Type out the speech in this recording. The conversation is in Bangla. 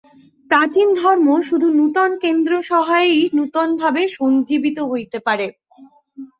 প্রাচীন ধর্ম শুধু নূতন কেন্দ্র-সহায়েই নূতনভাবে সঞ্জীবিত হইতে পারে।